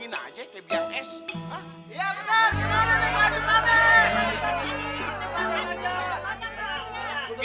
kita butuh kepastian ayo